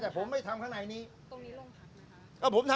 แต่ผมไม่ทำข้างในนี้ตรงนี้โรงพักนะคะ